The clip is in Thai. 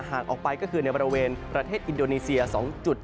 หากออกไปก็คือในประเทศอินโดนีเซีย๒จุด